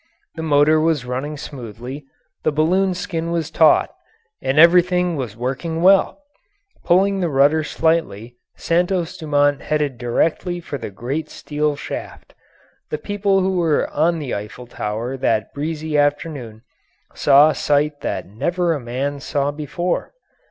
The motor was running smoothly, the balloon skin was taut, and everything was working well; pulling the rudder slightly, Santos Dumont headed directly for the great steel shaft. The people who were on the Eiffel Tower that breezy afternoon saw a sight that never a man saw before.